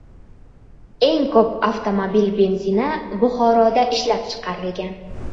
Eng ko‘p avtomobil benzini Buxoroda ishlab chiqarilgan